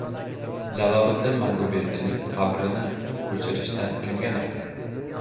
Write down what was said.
Jaloliddin Manguberdining qabrini ko‘chirishdan kimga naf?